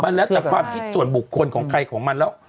แล้วแต่ความคิดส่วนบุคคลของใครของมันแล้ว